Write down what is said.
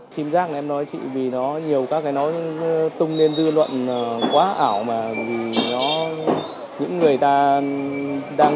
mà người ta những nghe lời cái tim giáp người ta tung lên là dư luận là dân nó hay bị hoang hoang